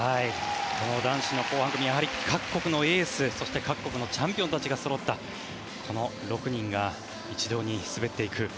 男子の後半組各国のエースそして各国のチャンピオンたちがそろったこの６人が一堂に滑っていく。